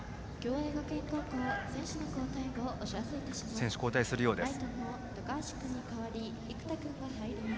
選手交代するようです。